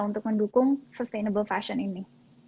untuk mendukung sustainable fashion ini